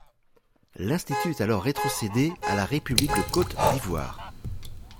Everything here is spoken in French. L'institut est alors rétrocédé à la République de Côte d'Ivoire.